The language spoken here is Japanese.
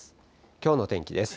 きょうの天気です。